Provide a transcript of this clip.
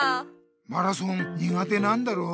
マラソン苦手なんだろ？